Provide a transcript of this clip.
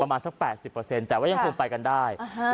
ประมาณสักแปดสิบเปอร์เซ็นต์แต่ว่ายังคงไปกันได้อ่าฮะ